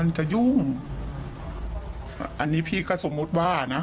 จะยุ่งอันนี้พี่ก็สมมุติว่านะ